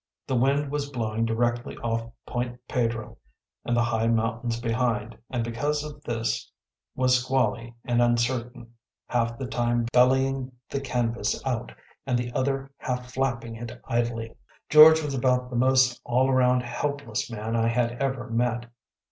The wind was blowing directly off Point Pedro and the high mountains behind, and because of this was squally and uncertain, half the time bellying the canvas out and the other half flapping it idly. George was about the most all round helpless man I had ever met.